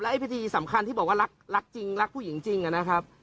และไอบิทีสำคัญที่บอกว่ารักรักจริงภาพผู้หญิงจริงอ่ะนะครับ